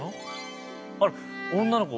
あら女の子！